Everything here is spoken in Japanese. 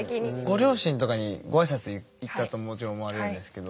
ご両親とかにご挨拶行ったともちろん思われるんですけど。